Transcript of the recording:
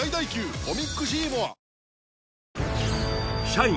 社員